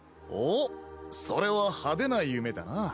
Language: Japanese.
おっそれは派手な夢だな。